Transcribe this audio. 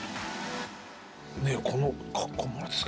ねえこの格好。